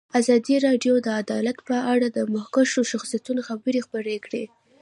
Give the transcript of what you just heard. ازادي راډیو د عدالت په اړه د مخکښو شخصیتونو خبرې خپرې کړي.